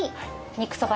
肉そば。